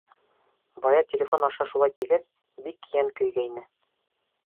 Бая телефон аша шулай тигәс, бик йән көйгәйне.